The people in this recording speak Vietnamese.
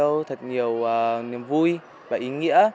chúc các thầy cô thật nhiều niềm vui và ý nghĩa